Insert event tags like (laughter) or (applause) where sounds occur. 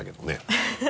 ハハハ (laughs)